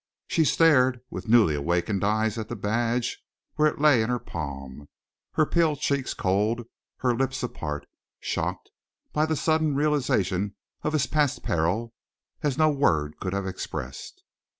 She stared with newly awakened eyes at the badge where it lay in her palm, her pale cheeks cold, her lips apart, shocked by the sudden realization of his past peril as no word could have expressed.